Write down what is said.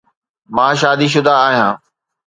مان شادي شده آهيان.